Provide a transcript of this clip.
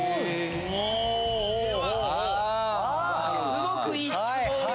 すごくいい質問。